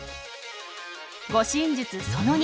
護身術その２。